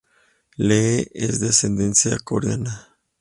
Lee es de ascendencia coreana.